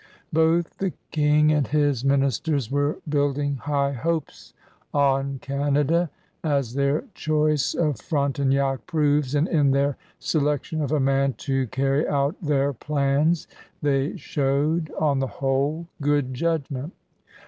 Both the King and his ministers were building high hopes on Canada, as their choice of Frontenac proves, and in their selection of a man to carry out their plans they showed, on the whole, good judgment.